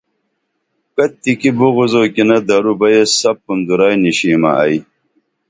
کتِکی بغض او کِینہ درو بہ ایس سپُن درائی نِیشیمہ ائی